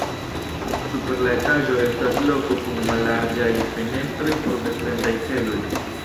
Super la etaĝo estas loko kun mallarĝaj fenestroj por defendaj celoj.